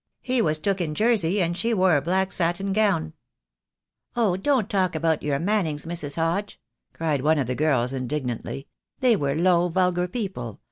He was took in Jersey, and she wore a black satin gownd." "Oh, don't talk about your Mannings, Mrs. Hodge," cried one of the girls indignantly. "They were low, vulgar people.